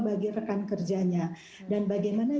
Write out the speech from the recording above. bagi rekan kerjanya dan bagaimana